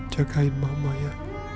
jagain mama ya